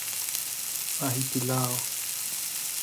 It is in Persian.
ماهی پلو